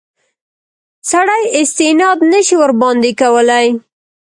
سړی استناد نه شي ورباندې کولای.